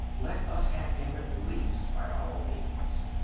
Let us have him at least, by all means.